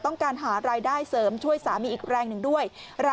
ต้องการหารายได้เสริมช่วยสามีอีกแรงหนึ่งด้วย